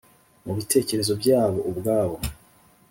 Mu bitekerezo byabo ubwabo